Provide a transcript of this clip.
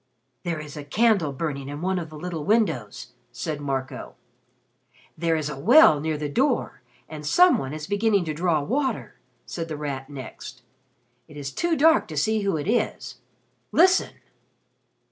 "There is a candle burning in one of the little windows," said Marco. "There is a well near the door and some one is beginning to draw water," said The Rat, next. "It is too dark to see who it is. Listen!"